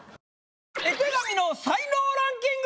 「絵手紙の才能ランキング」！